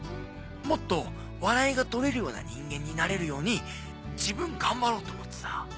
もっと笑いが取れるような人間になれるように自分頑張ろうと思ってさ。